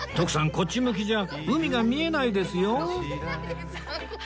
こっち向きじゃ海が見えないですよ